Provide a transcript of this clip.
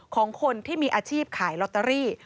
ของคนที่มีอาชีพขายลอตเตอรี่